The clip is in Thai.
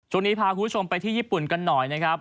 ช่วงนี้พาคุณผู้ชมไปที่ญี่ปุ่นกันหน่อยนะครับ